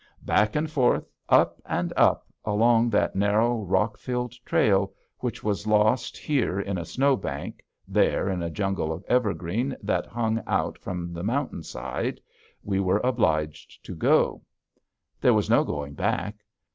Back and forth, up and up, along that narrow rock filled trail, which was lost here in a snow bank, there in a jungle of evergreen that hung out from the mountain side, we were obliged to go. There was no going back.